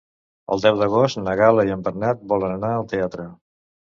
El deu d'agost na Gal·la i en Bernat volen anar al teatre.